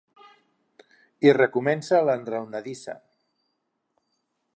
I recomença l'enraonadissa.